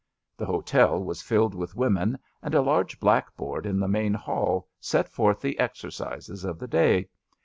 The hotel was filled with iromen, and a large blackboard in the main hall set forth the exercises of the day.